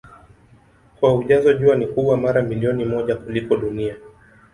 Kwa ujazo Jua ni kubwa mara milioni moja kuliko Dunia.